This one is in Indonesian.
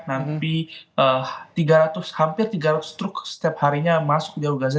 nanti hampir tiga ratus struk setiap harinya masuk di jawa gaza